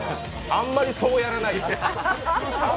あんまりそうやらない。